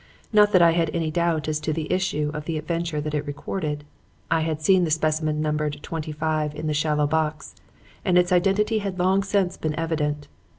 Not that I had any doubt as to the issue of the adventure that it recorded. I had seen the specimen numbered "twenty five" in the shallow box, and its identity had long since been evident.